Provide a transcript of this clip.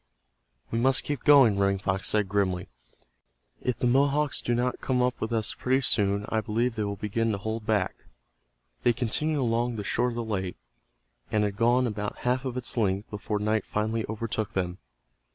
"We must keep going," Running Fox said, grimly. "If the Mohawks do not come up with us pretty soon I believe they will begin to hold back." They continued along the shore of the lake, and had gone about half of its length before night finally overtook them.